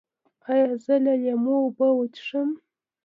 ایا زه د لیمو اوبه وڅښم؟